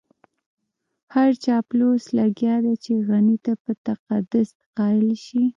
هر چاپلوس لګيا دی چې غني ته په تقدس قايل شي.